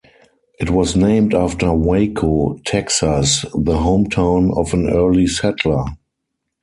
It was named after Waco, Texas, the hometown of an early settler.